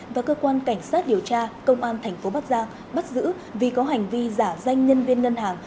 và cơ quan cảnh sát điều tra công an thành phố bắc giang bắt giữ vì có hành vi giả danh nhân viên ngân hàng